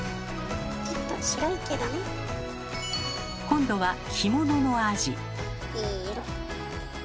今度は干物のアジ。